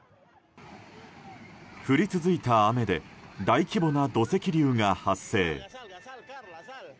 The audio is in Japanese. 降り続いた雨で大規模な土石流が発生。